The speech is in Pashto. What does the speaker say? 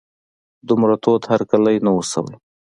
دومره تود هرکلی نه و شوی.